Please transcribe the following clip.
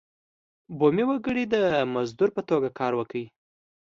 بومي وګړي د مزدور په توګه کار وکړي.